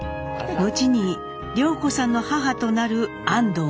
後に涼子さんの母となる安藤眞弓